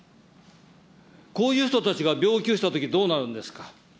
こういう人たちが病気をしたときどうなるんですか。